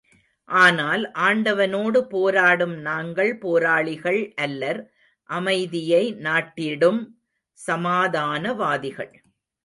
ஆனால், ஆண்டவனோடு போராடும் நாங்கள் போராளிகள் அல்லர் அமைதியை நாட்டிடும் சமாதானவாதிகள்.